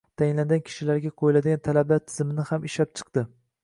Tayinlanadigan kishilarga qo'yiladigan talablar tizimini ham ishlab chiqdi.